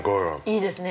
◆いいですね。